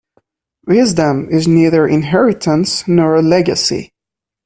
Wisdom is neither inheritance nor a legacy.